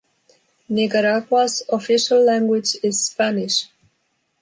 Nicaragua's official language is Spanish.